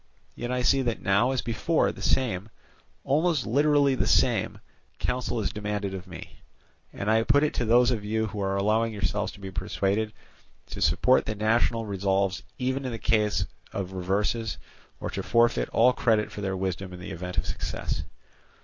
Yet I see that now as before the same, almost literally the same, counsel is demanded of me; and I put it to those of you who are allowing yourselves to be persuaded, to support the national resolves even in the case of reverses, or to forfeit all credit for their wisdom in the event of success.